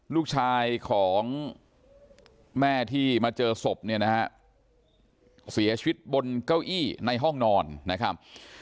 ลูกชายของแม่ที่มาเจอศพเนี่ยนะฮะเสียชีวิตบนเก้าอี้ในห้องนอนนะครับ